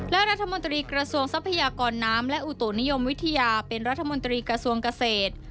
และรัฐมนตรีกระทรวงทรัพยากรน้ำและอุตุนิยมวิทยาเป็นรัฐมนตรีกระทรวงเกษตร